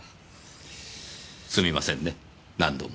すいませんね何度も。